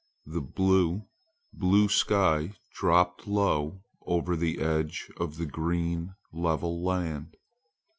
The blue, blue sky dropped low over the edge of the green level land.